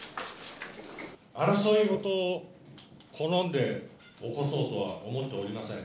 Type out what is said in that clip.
争いごとを好んで起こそうとは思っておりません。